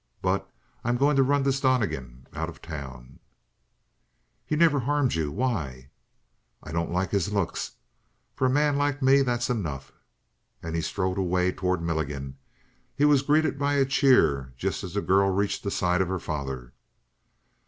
But I'm going to run this Donnegan out of town!" "He's never harmed you; why " "I don't like his looks. For a man like me that's enough!" And he strode away toward Milligan. He was greeted by a cheer just as the girl reached the side of her father.